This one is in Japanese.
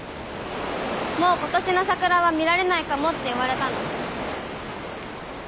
もうことしの桜は見られないかもって言われたの。